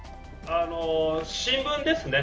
新聞ですね。